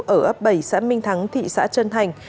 ở ấp bảy xã minh thắng thị xã trân thành